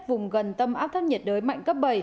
vùng gần tâm áp thấp nhiệt đới mạnh cấp bảy